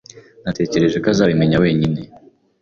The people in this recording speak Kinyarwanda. Natekereje ko azabimenya wenyine.